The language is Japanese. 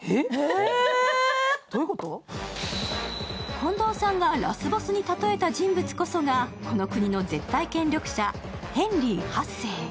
近藤さんがラスボスに例えた人物こそがこの国の絶対権力者ヘンリー８世。